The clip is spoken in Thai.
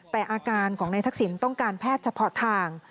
แต่อาการของนายทักษิณต้องการแพทย์เฉพาะทาง